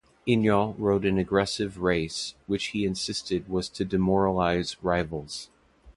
Hinault rode an aggressive race, which he insisted was to demoralize rivals.